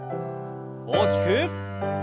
大きく。